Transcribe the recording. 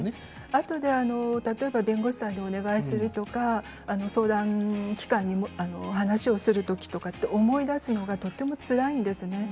あとで弁護士さんにお願いするとか相談機関にお話をする時に思い出すのがとてもつらいんですね。